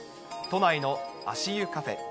都内の足湯カフェ。